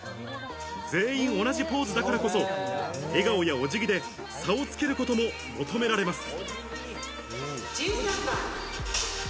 全員同じポーズだからこそ笑顔やお辞儀で差をつけることも求められます。